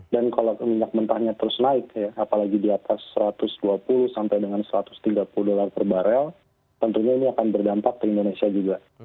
dan kalau minyak mentahnya terus naik ya apalagi di atas satu ratus dua puluh sampai dengan satu ratus tiga puluh dolar per barel tentunya ini akan berdampak ke indonesia juga